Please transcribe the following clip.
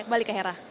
balik ke hera